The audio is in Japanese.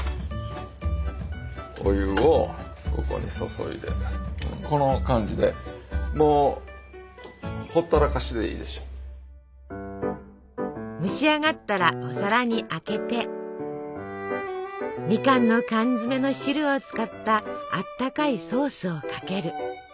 お湯をここに注いでこの感じでもう蒸し上がったらお皿にあけてみかんの缶詰の汁を使ったあったかいソースをかける。